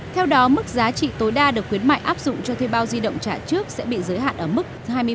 theo đó mức giá trị tối đa được khuyến mại áp dụng cho thuê bao di động trả trước sẽ bị giới hạn ở mức hai mươi